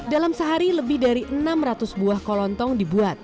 dalam sehari lebih dari enam ratus buah kolontong dibuat